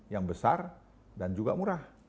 yang besar dan juga murah